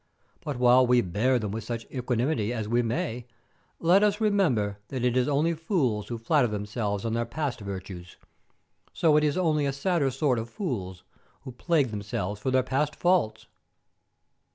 But, while we bear them with such equanimity as we may, let us remember that as it is only fools who flatter themselves on their past virtues, so it is only a sadder sort of fools who plague themselves for their past faults."